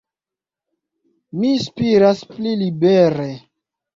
Mi spiras pli libere.